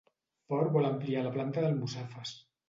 Ford vol ampliar la planta d'Almussafes